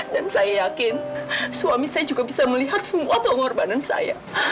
saya yakin suami saya juga bisa melihat semua pengorbanan saya